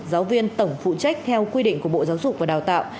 giáo viên tổng phụ trách theo quy định của bộ giáo dục và đào tạo